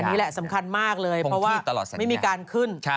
อันนี้แหละสำคัญมากเลยไม่มีการขึ้น